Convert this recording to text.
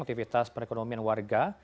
aktivitas perekonomian warga